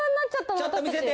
ちょっと見せて！